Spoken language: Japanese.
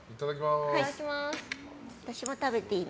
私も食べていいの？